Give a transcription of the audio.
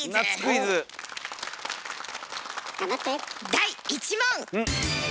第１問！